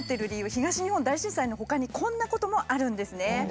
東日本大震災のほかにこんなこともあるんですね。